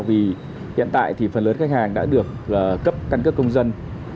vì hiện tại thì phần lớn khách hàng đã được cấp căn cước công dân